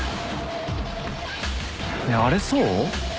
あれそう？